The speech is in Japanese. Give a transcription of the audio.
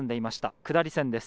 下り線です。